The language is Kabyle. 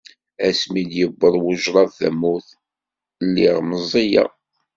Asmi d-yewweḍ wejraḍ tamurt, lliɣ meẓẓiyeɣ.